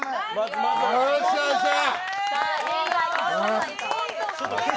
よっしゃ、よっしゃ。